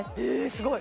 すごい！